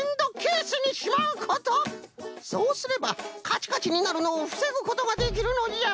そうすればカチカチになるのをふせぐことができるのじゃ。